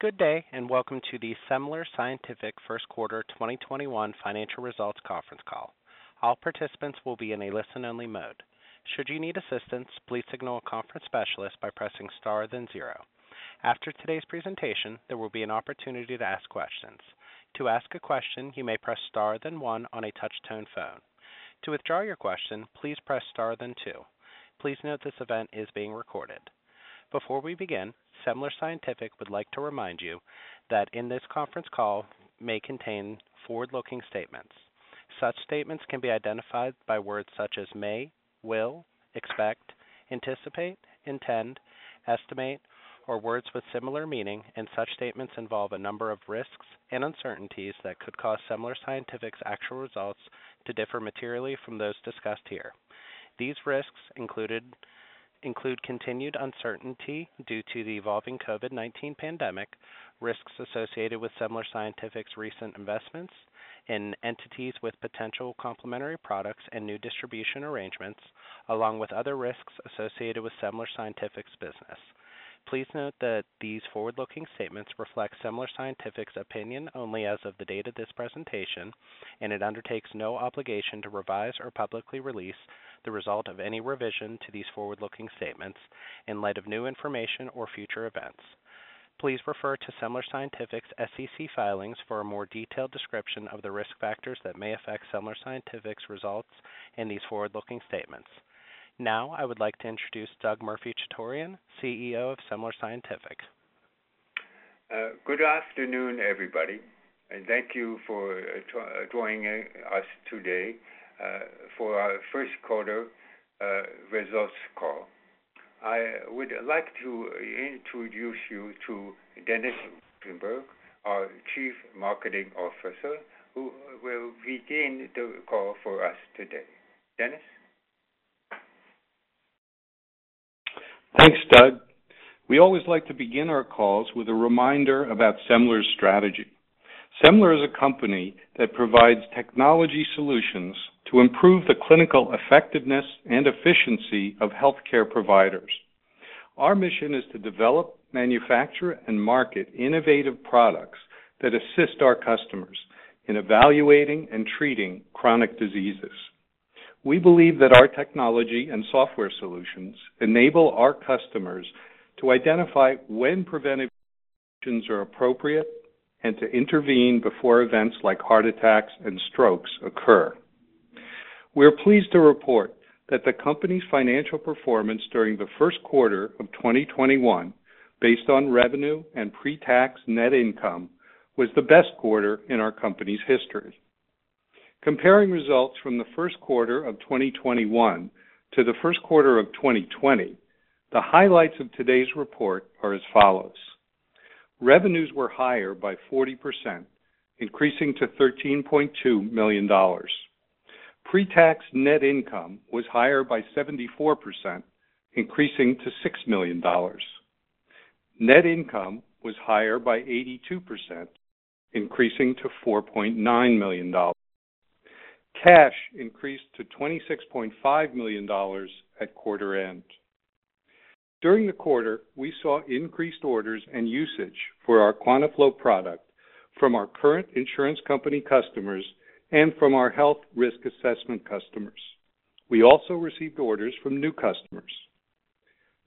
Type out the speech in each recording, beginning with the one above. Good day, and welcome to the Semler Scientific First Quarter 2021 Financial Results Conference Call. All participants will be in a listen-only mode. Should you need assistance, please signal a conference specialist by pressing star then zero. After today's presentation, there will be an opportunity to ask questions. To ask a question, you may press star than one on a touch-tone phone. To withdraw your question, please press star than two. Please note this event is being recorded. Before we begin, Semler Scientific would like to remind you that in this conference call may contain forward-looking statements. Such statements can be identified by words such as may, will, expect, anticipate, intend, estimate, or words with similar meaning, and such statements involve a number of risks and uncertainties that could cause Semler Scientific's actual results to differ materially from those discussed here. These risks include continued uncertainty due to the evolving COVID-19 pandemic, risks associated with Semler Scientific's recent investments in entities with potential complementary products and new distribution arrangements, along with other risks associated with Semler Scientific's business. Please note that these forward-looking statements reflect Semler Scientific's opinion only as of the date of this presentation. It undertakes no obligation to revise or publicly release the result of any revision to these forward-looking statements in light of new information or future events. Please refer to Semler Scientific's SEC filings for a more detailed description of the risk factors that may affect Semler Scientific's results in these forward-looking statements. I would like to introduce Doug Murphy-Chutorian, CEO of Semler Scientific. Good afternoon, everybody, and thank you for joining us today for our first quarter results call. I would like to introduce you to Dennis Rosenberg, our Chief Marketing Officer, who will begin the call for us today. Dennis? Thanks, Doug. We always like to begin our calls with a reminder about Semler's strategy. Semler is a company that provides technology solutions to improve the clinical effectiveness and efficiency of healthcare providers. Our mission is to develop, manufacture, and market innovative products that assist our customers in evaluating and treating chronic diseases. We believe that our technology and software solutions enable our customers to identify when preventive actions are appropriate and to intervene before events like heart attacks and strokes occur. We're pleased to report that the company's financial performance during the first quarter of 2021, based on revenue and pre-tax net income, was the best quarter in our company's history. Comparing results from the first quarter of 2021 to the first quarter of 2020, the highlights of today's report are as follows. Revenues were higher by 40%, increasing to $13.2 million. Pre-tax net income was higher by 74%, increasing to $6 million. Net income was higher by 82%, increasing to $4.9 million. Cash increased to $26.5 million at quarter end. During the quarter, we saw increased orders and usage for our QuantaFlo product from our current insurance company customers and from our health risk assessment customers. We also received orders from new customers.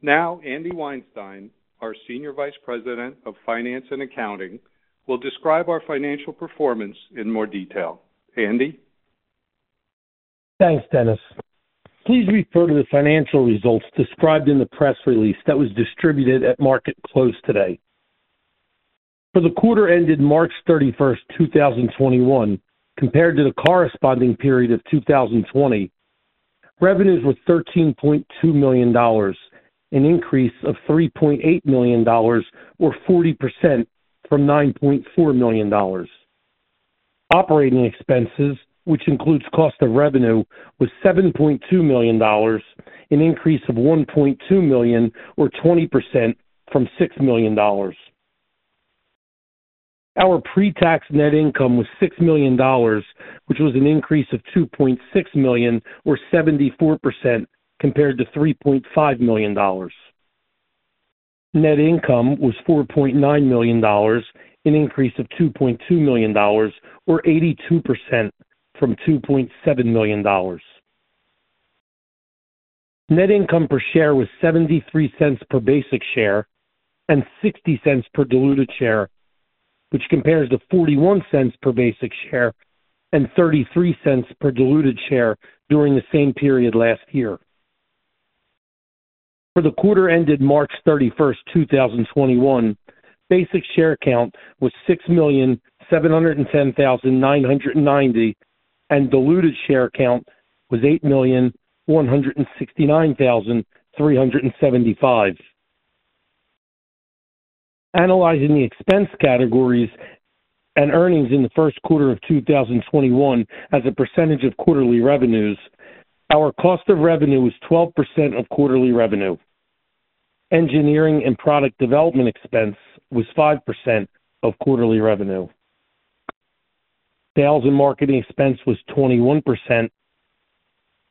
Now, Andy Weinstein, our Senior Vice President of Finance and Accounting, will describe our financial performance in more detail. Andy? Thanks, Dennis. Please refer to the financial results described in the press release that was distributed at market close today. For the quarter ended March 31st, 2021, compared to the corresponding period of 2020, revenues were $13.2 million, an increase of $3.8 million or 40% from $9.4 million. Operating expenses, which includes cost of revenue, was $7.2 million, an increase of $1.2 million or 20% from $6 million. Our pre-tax net income was $6 million, which was an increase of $2.6 million or 74% compared to $3.5 million. Net income was $4.9 million, an increase of $2.2 million or 82% from $2.7 million. Net income per share was $0.73 per basic share and $0.60 per diluted share, which compares to $0.41 per basic share and $0.33 per diluted share during the same period last year. For the quarter ended March 31st, 2021, basic share count was 6,710,990 and diluted share count was 8,169,375. Analyzing the expense categories and earnings in the first quarter of 2021 as a percentage of quarterly revenues, our cost of revenue was 12% of quarterly revenue. Engineering and product development expense was 5% of quarterly revenue. Sales and marketing expense was 21%,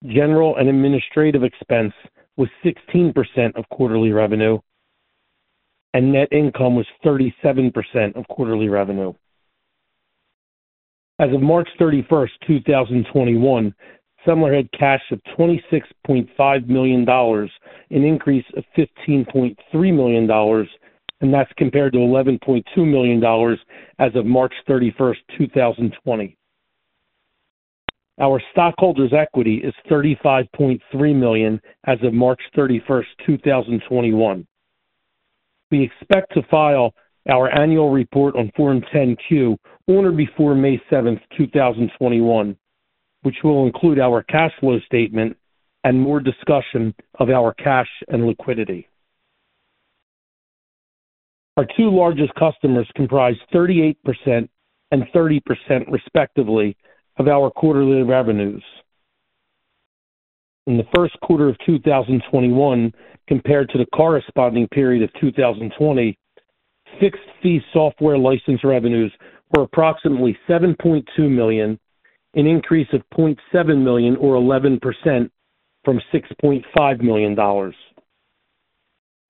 general and administrative expense was 16% of quarterly revenue. Net income was 37% of quarterly revenue. As of March 31st, 2021, Semler had cash of $26.5 million, an increase of $15.3 million, and that's compared to $11.2 million as of March 31st, 2020. Our stockholders' equity is $35.3 million as of March 31st, 2021. We expect to file our annual report on Form 10-Q on or before May 7th, 2021, which will include our cash flow statement and more discussion of our cash and liquidity. Our two largest customers comprise 38% and 30%, respectively, of our quarterly revenues. In the first quarter of 2021, compared to the corresponding period of 2020, fixed fee software license revenues were approximately $7.2 million, an increase of $0.7 million or 11% from $6.5 million.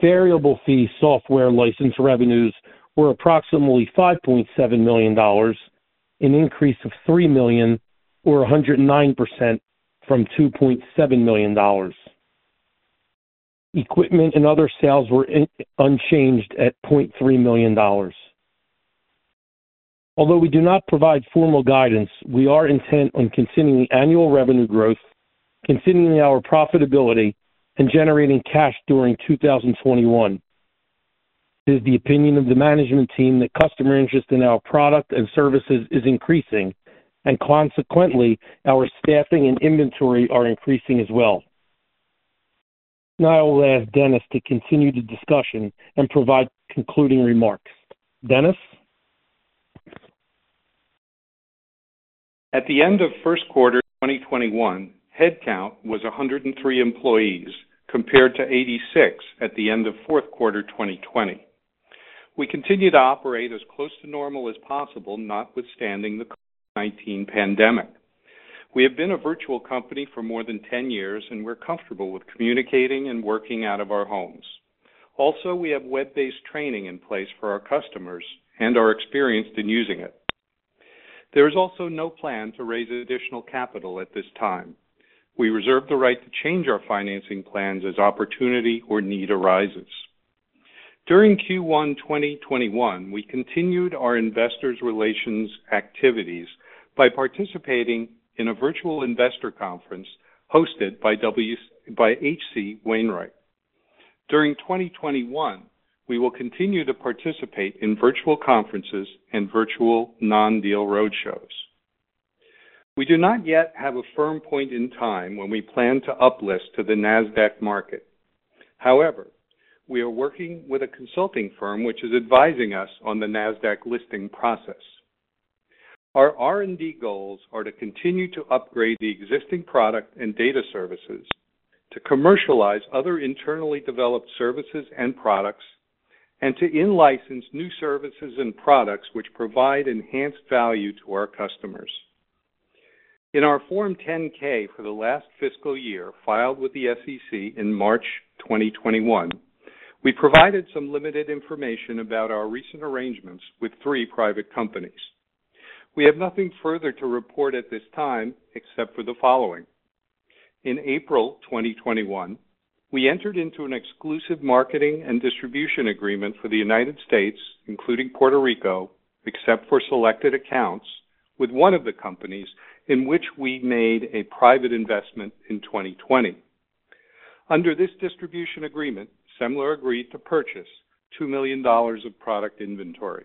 Variable fee software license revenues were approximately $5.7 million, an increase of $3 million or 109% from $2.7 million. Equipment and other sales were unchanged at $0.3 million. Although we do not provide formal guidance, we are intent on continuing annual revenue growth, continuing our profitability, and generating cash during 2021. It is the opinion of the management team that customer interest in our product and services is increasing, and consequently, our staffing and inventory are increasing as well. Now I will ask Dennis to continue the discussion and provide concluding remarks. Dennis? At the end of first quarter 2021, headcount was 103 employees, compared to 86 at the end of fourth quarter 2020. We continue to operate as close to normal as possible, notwithstanding the COVID-19 pandemic. We have been a virtual company for more than 10 years, and we're comfortable with communicating and working out of our homes. We have web-based training in place for our customers and are experienced in using it. There is also no plan to raise additional capital at this time. We reserve the right to change our financing plans as opportunity or need arises. During Q1 2021, we continued our investor relations activities by participating in a virtual investor conference hosted by H.C. Wainwright. During 2021, we will continue to participate in virtual conferences and virtual non-deal roadshows. We do not yet have a firm point in time when we plan to up-list to the Nasdaq market. However, we are working with a consulting firm which is advising us on the Nasdaq listing process. Our R&D goals are to continue to upgrade the existing product and data services, to commercialize other internally developed services and products, and to in-license new services and products which provide enhanced value to our customers. In our Form 10-K for the last fiscal year, filed with the SEC in March 2021, we provided some limited information about our recent arrangements with three private companies. We have nothing further to report at this time except for the following. In April 2021, we entered into an exclusive marketing and distribution agreement for the United States, including Puerto Rico, except for selected accounts, with one of the companies in which we made a private investment in 2020. Under this distribution agreement, Semler agreed to purchase $2 million of product inventory.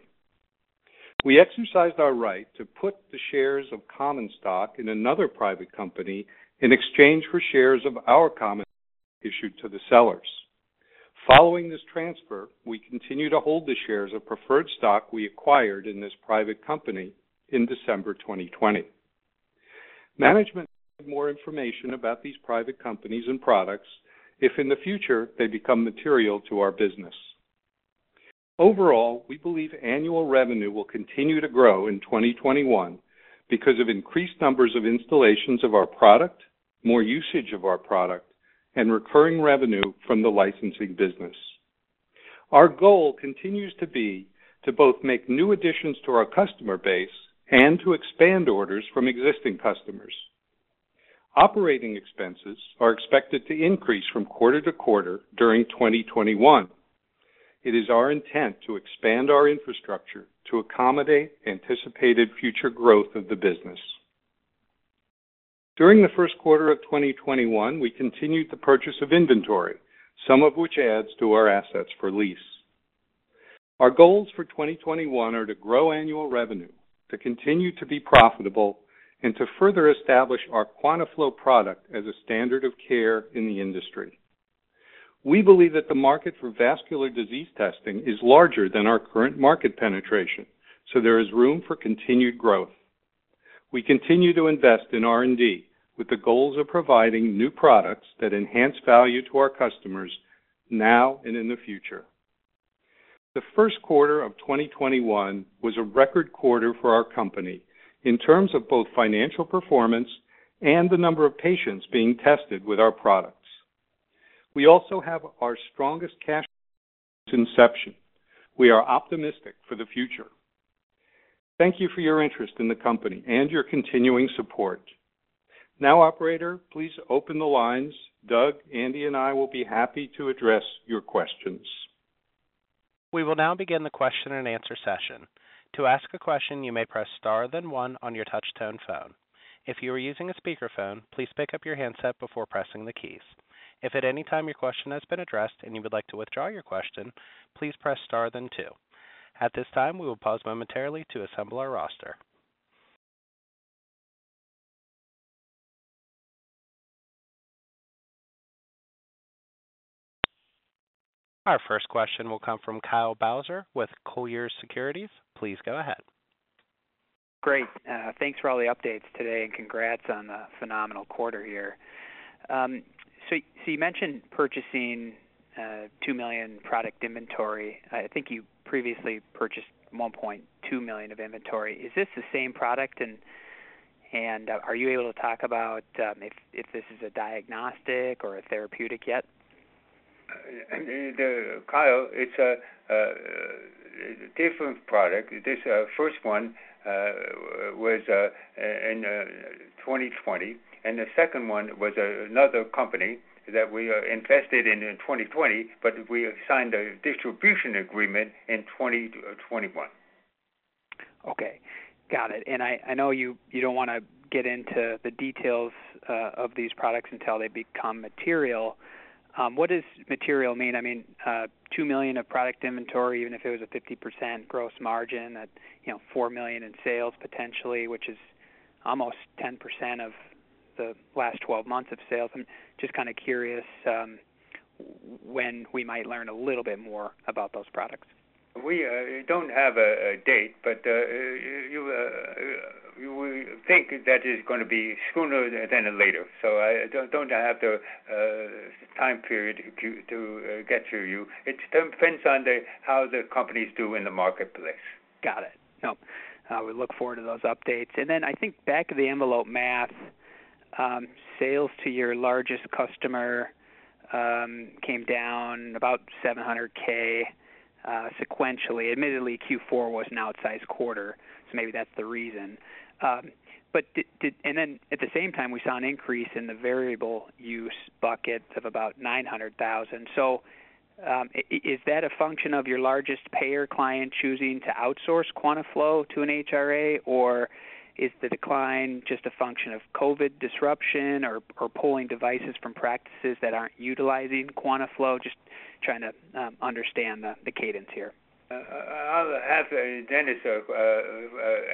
We exercised our right to put the shares of common stock in another private company in exchange for shares of our common stock issued to the sellers. Following this transfer, we continue to hold the shares of preferred stock we acquired in this private company in December 2020. Management will provide more information about these private companies and products if, in the future, they become material to our business. Overall, we believe annual revenue will continue to grow in 2021 because of increased numbers of installations of our product, more usage of our product, and recurring revenue from the licensing business. Our goal continues to be to both make new additions to our customer base and to expand orders from existing customers. Operating expenses are expected to increase from quarter to quarter during 2021. It is our intent to expand our infrastructure to accommodate anticipated future growth of the business. During the first quarter of 2021, we continued the purchase of inventory, some of which adds to our assets for lease. Our goals for 2021 are to grow annual revenue, to continue to be profitable, and to further establish our QuantaFlo product as a standard of care in the industry. We believe that the market for vascular disease testing is larger than our current market penetration, there is room for continued growth. We continue to invest in R&D with the goals of providing new products that enhance value to our customers now and in the future. The first quarter of 2021 was a record quarter for our company in terms of both financial performance and the number of patients being tested with our products. We also have our strongest cash position. We are optimistic for the future. Thank you for your interest in the company and your continuing support. Now, operator, please open the lines. Doug, Andy, and I will be happy to address your questions. We will now begin the Q&A session. To ask question, You may press star then one on your touch-tone phone. If you are using a speakerphone, please pick up your handset before pressing the keys. If at any time your question has been addressed and you would like to withdraw your question, please press star then two. At this time, we will pause momentarilly to assemble our roster. Our first question will come from Kyle Bauser with Colliers Securities. Please go ahead. Great. Thanks for all the updates today, congrats on a phenomenal quarter here. You mentioned purchasing $2 million product inventory. I think you previously purchased $1.2 million of inventory. Is this the same product? Are you able to talk about if this is a diagnostic or a therapeutic yet? Kyle Bauser, it's a different product. This first one was in 2020. The second one was another company that we invested in in 2020. We have signed a distribution agreement in 2021. Okay, got it. I know you don't want to get into the details of these products until they become material. What does material mean? $2 million of product inventory, even if it was a 50% gross margin, that's $4 million in sales, potentially, which is almost 10% of the last 12 months of sales. I'm just kind of curious when we might learn a little bit more about those products. We don't have a date, but we think that it's going to be sooner than later, so I don't have the time period to get to you. It depends on how the companies do in the marketplace. Got it. We look forward to those updates. I think back of the envelope math, sales to your largest customer came down about $700,000 sequentially. Admittedly, Q4 was an outsized quarter, so maybe that's the reason. At the same time, we saw an increase in the variable use buckets of about $900,000. Is that a function of your largest payer client choosing to outsource QuantaFlo to an HRA, or is the decline just a function of COVID-19 disruption or pulling devices from practices that aren't utilizing QuantaFlo? Just trying to understand the cadence here. I'll have Dennis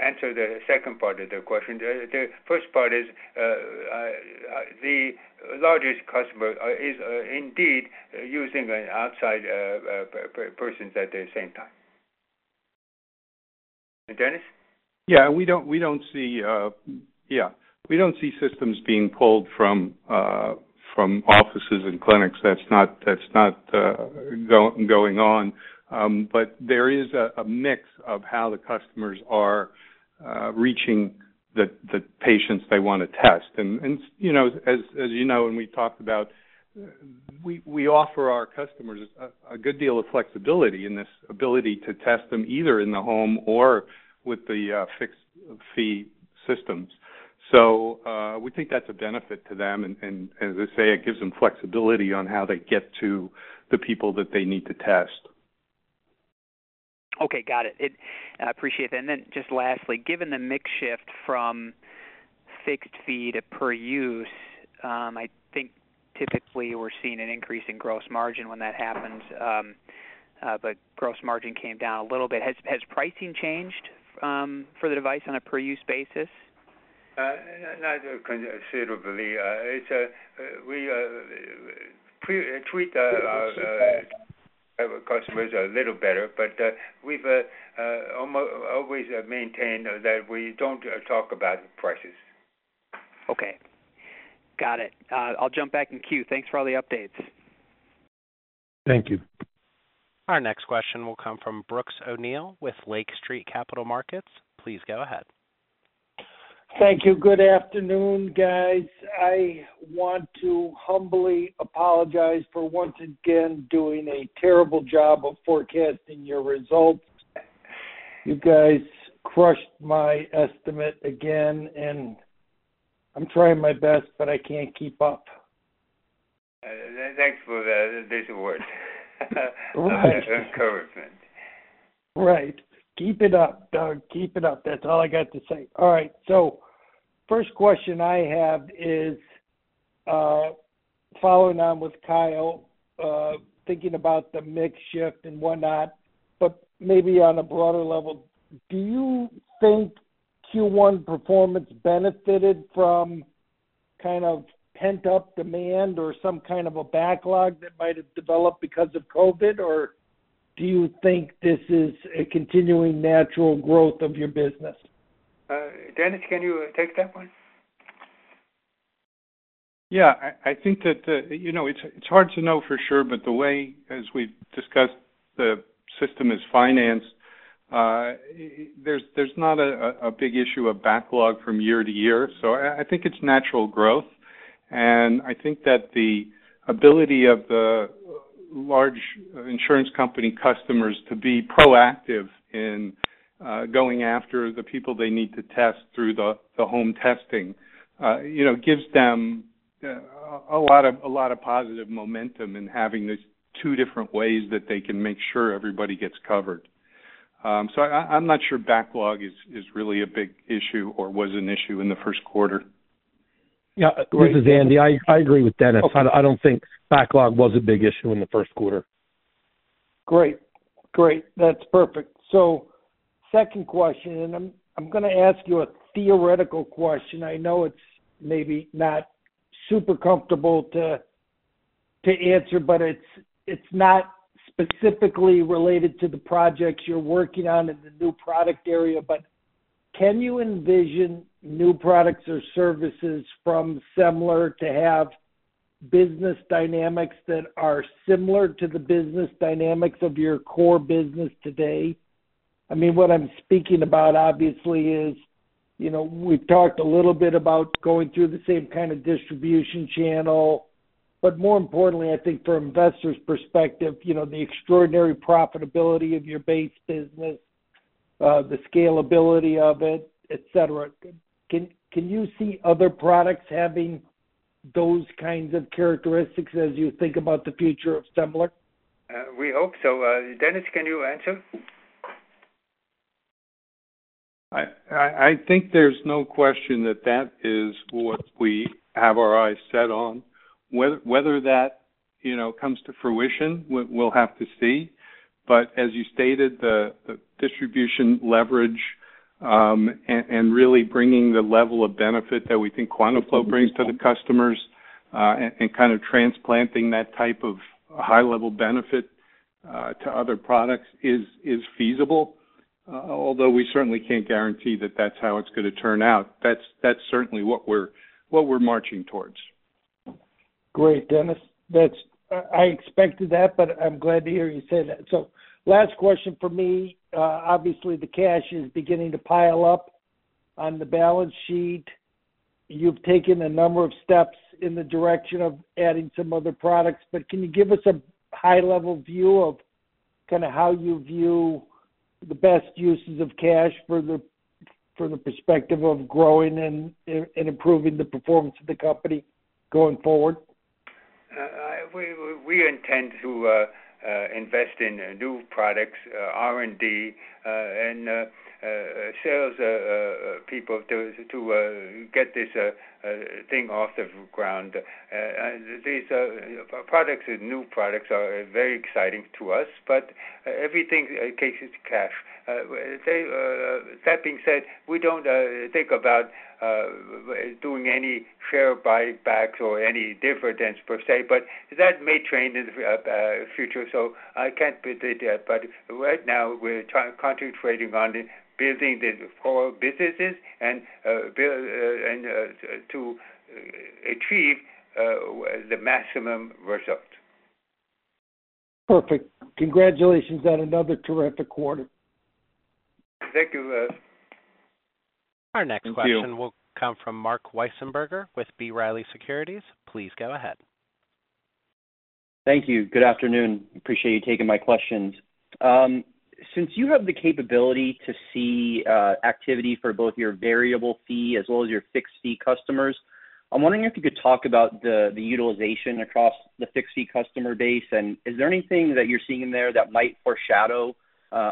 answer the second part of the question. The first part is, the largest customer is indeed using an outside person at the same time. Dennis? Yeah, we don't see systems being pulled from offices and clinics. That's not going on. There is a mix of how the customers are reaching the patients they want to test. As you know, and we talked about, we offer our customers a good deal of flexibility, and this ability to test them either in the home or with the fixed fee systems. We think that's a benefit to them, and as I say, it gives them flexibility on how they get to the people that they need to test. Okay, got it. I appreciate that. Just lastly, given the mix shift from fixed fee to per use, I think typically we're seeing an increase in gross margin when that happens. Gross margin came down a little bit. Has pricing changed for the device on a per-use basis? Not considerably. We treat our customers a little better, but we've almost always maintained that we don't talk about prices. Okay. Got it. I'll jump back in queue. Thanks for all the updates. Thank you. Our next question will come from Brooks O'Neil with Lake Street Capital Markets. Please go ahead. Thank you. Good afternoon, guys. I want to humbly apologize for once again doing a terrible job of forecasting your results. You guys crushed my estimate again. I'm trying my best, but I can't keep up. Thanks for this award. That's encouragement. Right. Keep it up, Doug. Keep it up. That's all I got to say. All right, first question I have is following on with Kyle, thinking about the mix shift and whatnot, but maybe on a broader level. Do you think Q1 performance benefited from kind of pent-up demand or some kind of a backlog that might have developed because of COVID, or do you think this is a continuing natural growth of your business? Dennis, can you take that one? Yeah, I think that it's hard to know for sure, but the way, as we've discussed, the system is financed, there's not a big issue of backlog from year to year. I think it's natural growth, and I think that the ability of the large insurance company customers to be proactive in going after the people they need to test through the home testing gives them a lot of positive momentum in having these two different ways that they can make sure everybody gets covered. I'm not sure backlog is really a big issue or was an issue in the first quarter. Yeah, this is Andy. I agree with Dennis. Okay. I don't think backlog was a big issue in the first quarter. Great. That's perfect. Second question, and I'm going to ask you a theoretical question. I know it's maybe not super comfortable to answer, but it's not specifically related to the projects you're working on in the new product area. Can you envision new products or services from Semler to have business dynamics that are similar to the business dynamics of your core business today? What I'm speaking about obviously is, we've talked a little bit about going through the same kind of distribution channel. More importantly, I think from investors' perspective, the extraordinary profitability of your base business, the scalability of it, et cetera. Can you see other products having those kinds of characteristics as you think about the future of Semler? We hope so. Dennis, can you answer? I think there's no question that is what we have our eyes set on. Whether that comes to fruition, we'll have to see. As you stated, the distribution leverage, and really bringing the level of benefit that we think QuantaFlo brings to the customers, and kind of transplanting that type of high-level benefit to other products is feasible. Although we certainly can't guarantee that that's how it's going to turn out. That's certainly what we're marching towards. Great, Dennis. I expected that, but I'm glad to hear you say that. Last question from me. Obviously, the cash is beginning to pile up on the balance sheet. You've taken a number of steps in the direction of adding some other products, but can you give us a high-level view of how you view the best uses of cash from the perspective of growing and improving the performance of the company going forward? We intend to invest in new products, R&D, and sales people to get this thing off the ground. These products, new products are very exciting to us, but everything cases cash. That being said, we don't think about doing any share buybacks or any dividends per se, but that may change in the future, so I can't predict that. Right now, we're concentrating on building the core businesses and to achieve the maximum result. Perfect. Congratulations on another terrific quarter. Thank you, Brooks. Thank you. Our next question will come from Mark Wiesenberger with B. Riley Securities. Please go ahead. Thank you. Good afternoon. Appreciate you taking my questions. Since you have the capability to see activity for both your variable fee as well as your fixed fee customers, I'm wondering if you could talk about the utilization across the fixed fee customer base. Is there anything that you're seeing in there that might foreshadow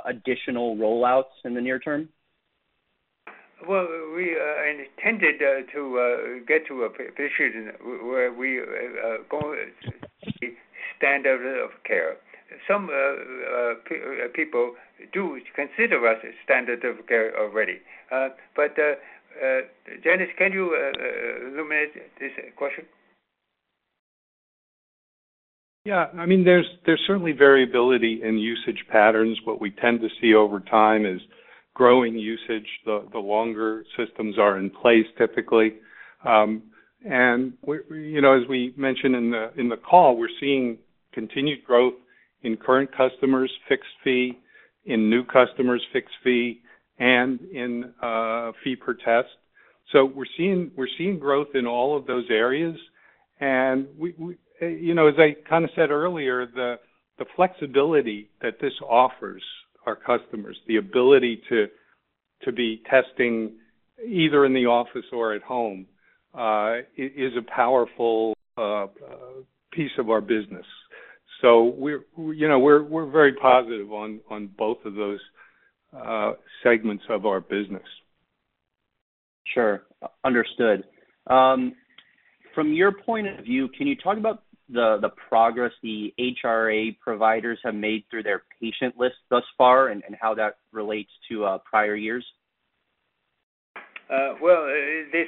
additional rollouts in the near term? We intended to get to a position where we go standard of care. Some people do consider us a standard of care already. Dennis, can you illuminate this question? Yeah. There's certainly variability in usage patterns. What we tend to see over time is growing usage the longer systems are in place, typically. As we mentioned in the call, we're seeing continued growth in current customers fixed fee, in new customers fixed fee, and in fee per test. We're seeing growth in all of those areas, and as I said earlier, the flexibility that this offers our customers, the ability to be testing either in the office or at home, is a powerful piece of our business. We're very positive on both of those segments of our business. Sure. Understood. From your point of view, can you talk about the progress the HRA providers have made through their patient list thus far, and how that relates to prior years? Well, this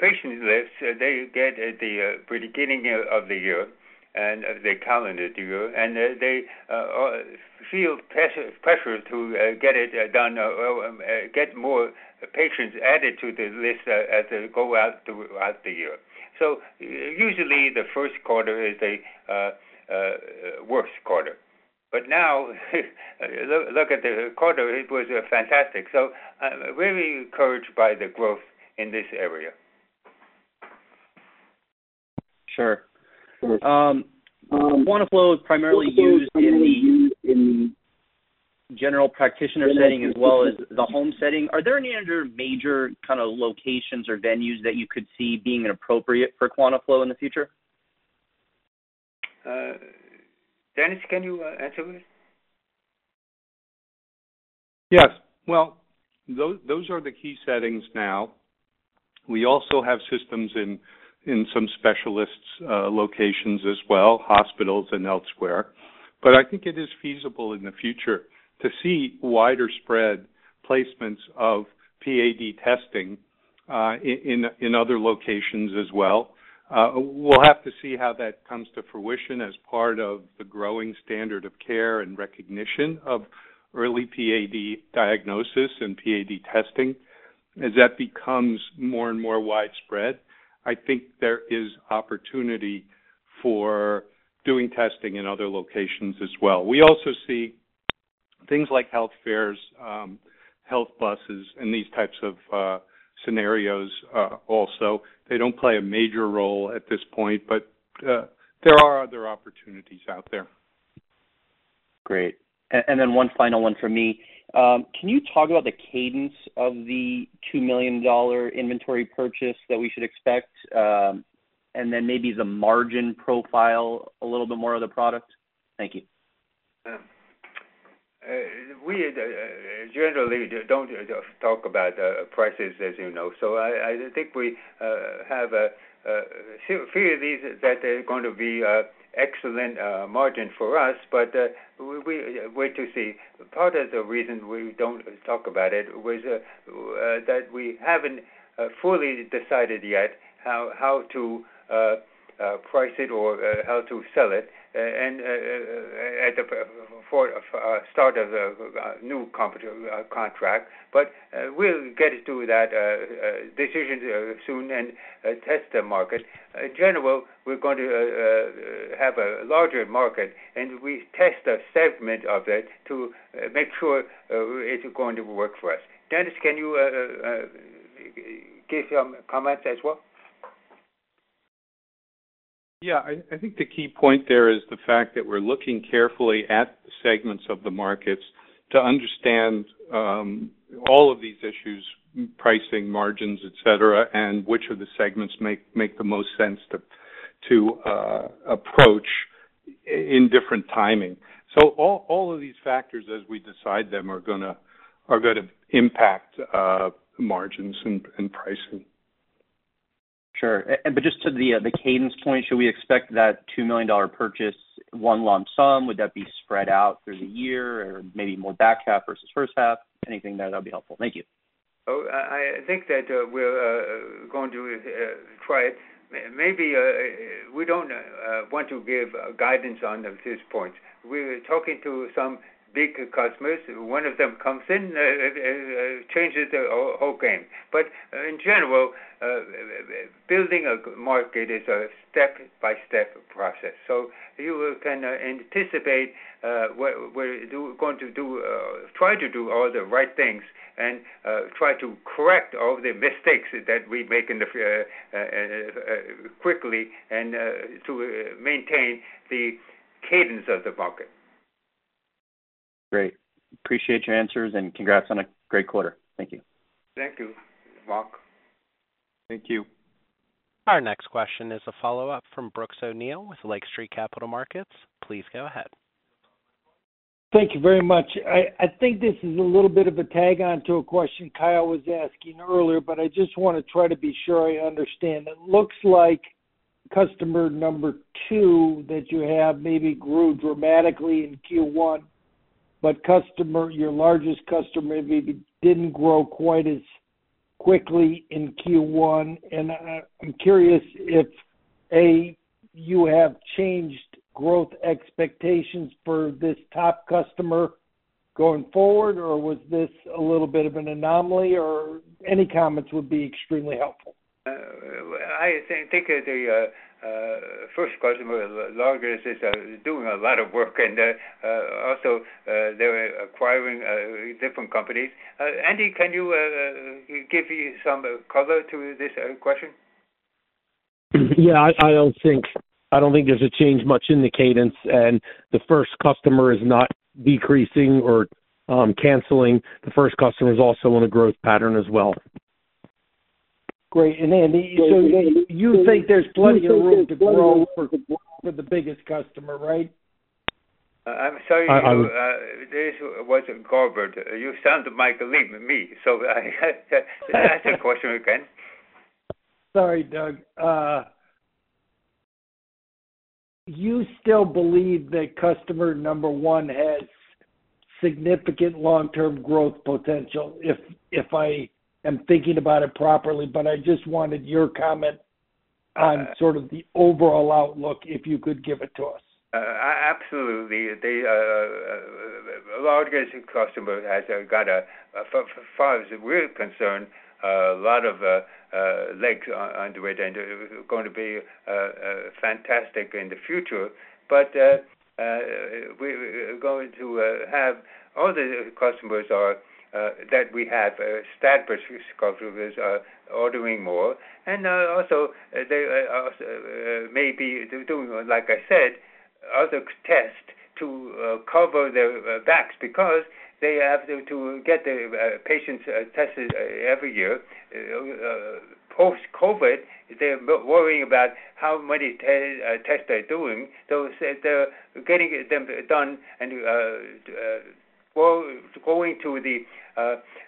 patient list, they get at the beginning of the year and the calendar year, and they feel pressure to get it done or get more. patients added to the list as they go throughout the year. Usually the first quarter is a worse quarter. Now look at the quarter, it was fantastic. I'm really encouraged by the growth in this area. Sure. QuantaFlo is primarily used in the general practitioner setting as well as the home setting. Are there any other major locations or venues that you could see being appropriate for QuantaFlo in the future? Dennis, can you answer this? Yes. Well, those are the key settings now. We also have systems in some specialists' locations as well, hospitals and elsewhere. I think it is feasible in the future to see widespread placements of PAD testing, in other locations as well. We'll have to see how that comes to fruition as part of the growing standard of care and recognition of early PAD diagnosis and PAD testing. As that becomes more and more widespread, I think there is opportunity for doing testing in other locations as well. We also see things like health fairs, health buses, and these types of scenarios also. They don't play a major role at this point, but there are other opportunities out there. Great. One final one from me. Can you talk about the cadence of the $2 million inventory purchase that we should expect? Maybe the margin profile a little bit more of the product. Thank you. We generally don't talk about prices, as you know. I think we have a few of these that are going to be excellent margin for us, but we wait to see. Part of the reason we don't talk about it was that we haven't fully decided yet how to price it or how to sell it and at the start of a new contract. We'll get to that decision soon and test the market. In general, we're going to have a larger market, and we test a segment of it to make sure it's going to work for us. Dennis, can you give some comments as well? Yeah, I think the key point there is the fact that we're looking carefully at segments of the markets to understand all of these issues, pricing, margins, et cetera, and which of the segments make the most sense to approach in different timing. All of these factors, as we decide them, are going to impact margins and pricing. Sure. Just to the cadence point, should we expect that $2 million purchase in one lump sum? Would that be spread out through the year or maybe more back half versus first half? Anything there, that will be helpful. Thank you. I think that we're going to try it. Maybe we don't want to give guidance on this point. We're talking to some big customers. One of them comes in and changes the whole game. In general, building a market is a step-by-step process. You can anticipate we're going to try to do all the right things and try to correct all the mistakes that we make quickly and to maintain the cadence of the market. Great. Appreciate your answers, and congrats on a great quarter. Thank you. Thank you, Mark. Thank you. Our next question is a follow-up from Brooks O'Neil with Lake Street Capital Markets. Please go ahead. Thank you very much. I think this is a little bit of a tag on to a question Kyle Bauser was asking earlier. I just want to try to be sure I understand. It looks like customer number one that you have maybe grew dramatically in Q1. Your largest customer maybe didn't grow quite as quickly in Q1. I'm curious if, A, you have changed growth expectations for this top customer going forward, or was this a little bit of an anomaly, or any comments would be extremely helpful. I think the first customer, the largest, is doing a lot of work, and also they're acquiring different companies. Andy, can you give some color to this question? Yeah, I don't think there's a change much in the cadence. The first customer is not decreasing or canceling. The first customer is also on a growth pattern as well. Great. Andy, you think there's plenty of room to grow for the biggest customer, right? I'm sorry. This wasn't covered. You sound like me. Ask the question again. Sorry, Doug. You still believe that customer number one has significant long-term growth potential, if I am thinking about it properly, but I just wanted your comment on sort of the overall outlook, if you could give it to us. Absolutely. The large customer has got, as far as we're concerned, a lot of legs underway, and it's going to be fantastic in the future. We're going to have all the customers that we have, established customers, are ordering more. Also, they may be doing, like I said, other tests to cover their backs because they have to get the patients tested every year. Post-COVID, they're worrying about how many tests they're doing. They're getting them done and going to the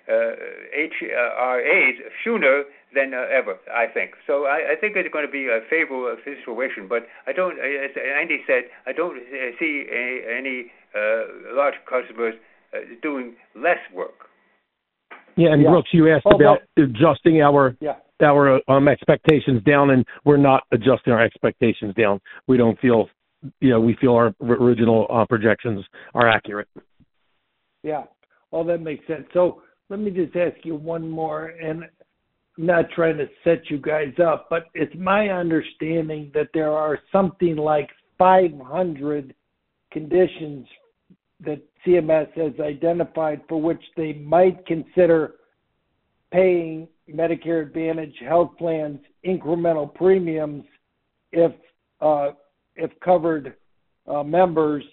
HRAs sooner than ever, I think. I think it's going to be a favorable situation. As Andy said, I don't see any large customers doing less work. Yeah. Brooks, you asked about adjusting our- Yeah. expectations down, and we're not adjusting our expectations down. We feel our original projections are accurate. Yeah. Well, that makes sense. Let me just ask you one more, and I'm not trying to set you guys up, but it's my understanding that there are something like 500 conditions that CMS has identified for which they might consider paying Medicare Advantage health plans incremental premiums if covered members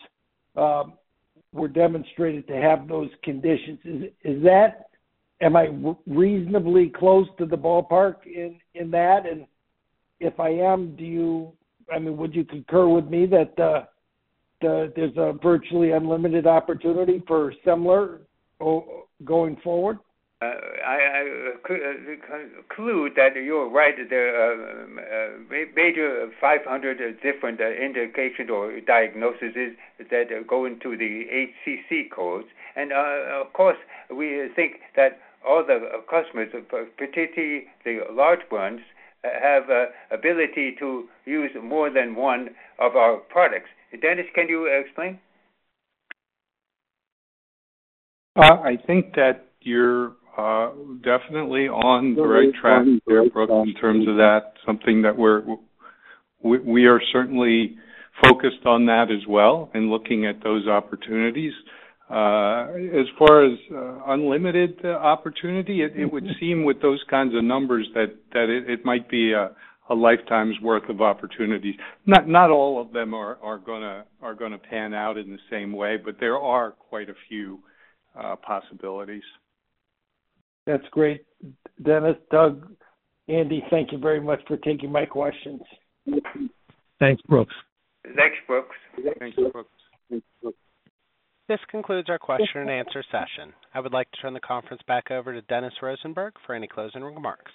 were demonstrated to have those conditions. Am I reasonably close to the ballpark in that? If I am, would you concur with me that there's a virtually unlimited opportunity for Semler going forward? I conclude that you're right. There are maybe 500 different indications or diagnoses that go into the HCC codes. Of course, we think that all the customers, particularly the large ones, have ability to use more than one of our products. Dennis, can you explain? I think that you're definitely on the right track there, Brooks, in terms of that. Something that we are certainly focused on that as well and looking at those opportunities. As far as unlimited opportunity, it would seem with those kinds of numbers that it might be a lifetime's worth of opportunity. Not all of them are going to pan out in the same way, but there are quite a few possibilities. That's great. Dennis, Doug, Andy, thank you very much for taking my questions. Thanks, Brooks. Thanks, Brooks. Thanks, Brooks. This concludes our Q&A session. I would like to turn the conference back over to Dennis Rosenberg for any closing remarks.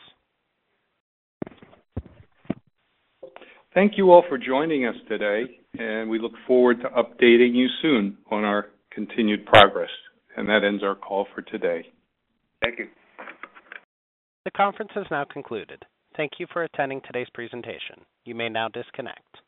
Thank you all for joining us today, and we look forward to updating you soon on our continued progress. That ends our call for today. Thank you. The conference has now concluded. Thank you for attending today's presentation. You may now disconnect.